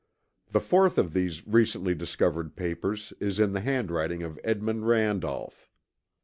The fourth of these recently discovered papers is in the handwriting of Edmund Randolph.